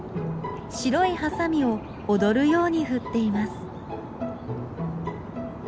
白いハサミを踊るように振っています。